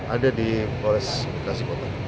ada di polres bekasi kota